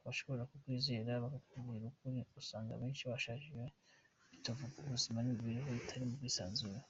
Abashobora kukwizera bakakubwira ukuri usanga abenshi bashaririwe bitavugwa n’ubuzima, n’imibereho itarimo ubwisanzure.